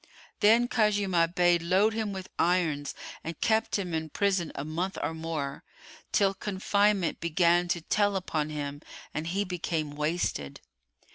Then Khuzaymah bade load him with irons and kept him in prison a month or more, till confinement began to tell upon him and he became wasted.